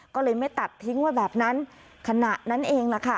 ก็เลยไม่ตัดทิ้งไว้แบบนั้นขณะนั้นเองล่ะค่ะ